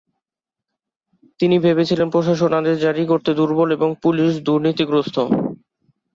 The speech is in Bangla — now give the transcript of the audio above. তিনি ভেবেছিলেন প্রশাসন আদেশ জারি করতে দুর্বল এবং পুলিশ দুর্নীতিগ্রস্ত।